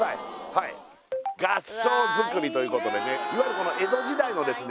はい合掌造りということでねいわゆるこの江戸時代のですね